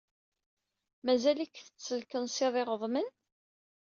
Mazal-ik tettelkensid iɣeḍmen?